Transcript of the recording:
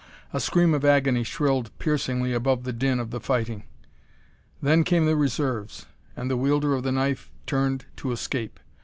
A scream of agony shrilled piercingly above the din of the fighting. Then came the reserves, and the wielder of the knife turned to escape.